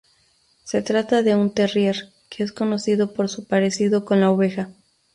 Se trata de un terrier que es conocido por su parecido con la oveja.